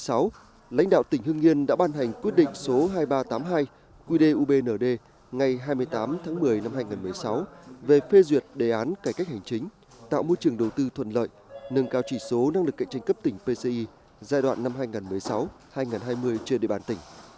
năm hai nghìn một mươi sáu lãnh đạo tỉnh hưng yên đã ban hành quyết định số hai nghìn ba trăm tám mươi hai quy đề ubnd ngày hai mươi tám tháng một mươi năm hai nghìn một mươi sáu về phê duyệt đề án cải cách hành chính tạo môi trường đầu tư thuận lợi nâng cao chỉ số năng lực cạnh tranh cấp tỉnh pci giai đoạn năm hai nghìn một mươi sáu hai nghìn hai mươi trên địa bàn tỉnh